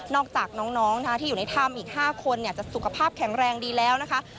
จากน้องที่อยู่ในถ้ำอีก๕คนจะสุขภาพแข็งแรงดีแล้วนะคะ